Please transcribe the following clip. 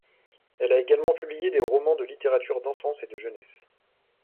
Elle a également publié des romans de littérature d'enfance et de jeunesse.